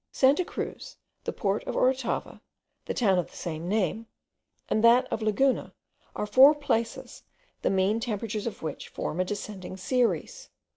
Santa Cruz, the port of Orotava, the town of the same name, and that of Laguna, are four places, the mean temperatures of which form a descending series.